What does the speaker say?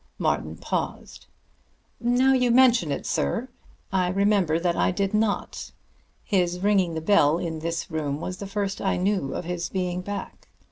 Martin paused. "Now you mention it, sir, I remember that I did not. His ringing the bell in this room was the first I knew of his being back.